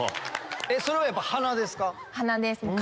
それはやっぱ鼻ですか？